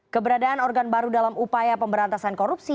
keberadaan organ baru dalam upaya pemberantasan korupsi